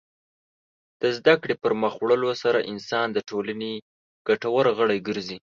د زدهکړې پرمخ وړلو سره انسان د ټولنې ګټور غړی ګرځي.